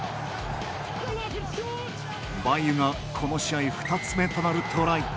バイユがこの試合２つ目となるトライ。